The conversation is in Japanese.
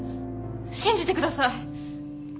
信じてください！